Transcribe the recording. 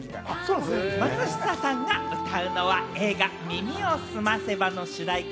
松下さんが歌うのは映画『耳をすませば』の主題歌